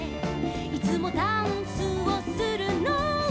「いつもダンスをするのは」